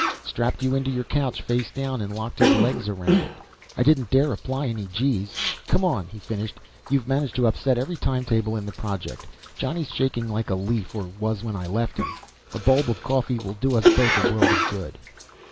"Strapped you into your couch face down and locked his legs around it. I didn't dare apply any g's. Come on," he finished, "you've managed to upset every timetable in the project. Johnny's shaking like a leaf, or was when I left him. A bulb of coffee will do us both a world of good."